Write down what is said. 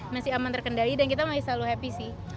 masih aman terkendali dan kita masih selalu happy sih